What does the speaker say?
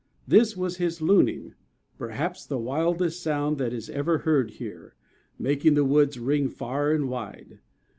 This was his looning, perhaps the wildest sound that is ever heard here, making the woods ring far and wide.